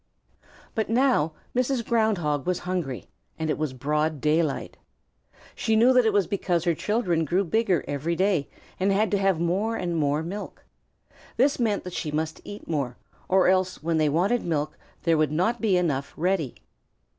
But now Mrs. Ground Hog was hungry, and it was broad daylight. She knew that it was because her children grew bigger every day and had to have more and more milk. This meant that she must eat more, or else when they wanted milk there would not be enough ready.